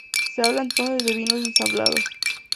Se habla entonces de vinos ensamblados.